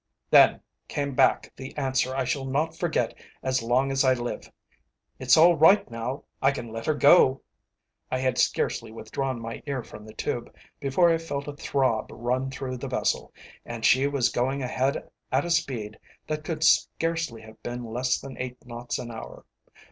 Then came back the answer I shall not forget as long as I live: "It's all right now, I can let her go." I had scarcely withdrawn my ear from the tube before I felt a throb run through the vessel, and she was going ahead at a speed that could scarcely have been less than eight knots an hour.